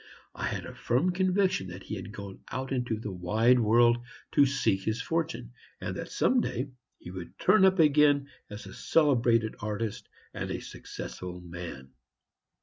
I had a firm conviction that he had gone out into the wide world to seek his fortune, and that some day he would turn up again as a celebrated artist and a successful man.